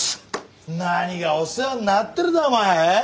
何がお世話になってるだお前ええ？